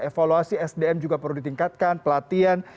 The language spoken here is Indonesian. evaluasi sdm juga perlu ditingkatkan pelatihan